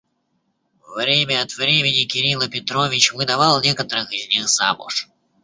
Время от времени Кирила Петрович выдавал некоторых из них замуж.